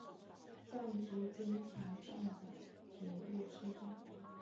赞岐津田站的铁路车站。